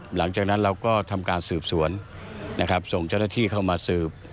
หลังจากนั้นเราก็ทำการสืบสวนนะครับส่งเจ้าหน้าที่เข้ามาสืบ